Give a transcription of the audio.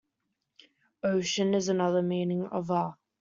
Ocean is another meaning of Va.